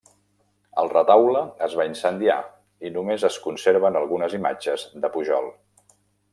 El retaule es va incendiar i només es conserven algunes imatges de Pujol.